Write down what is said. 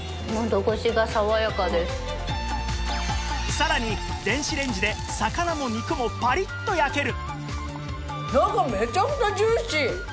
さらに電子レンジで魚も肉もパリッと焼ける！